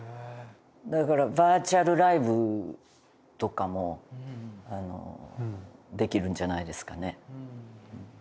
だからバーチャルライブとかもできるんじゃないですかね。